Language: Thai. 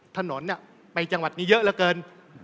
ถนนไปจังหวัดนี้เยอะเหลือเกิน